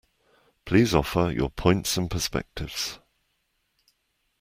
Please offer your points and perspectives.